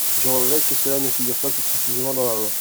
Je regrette que cela ne figure pas plus précisément dans la loi.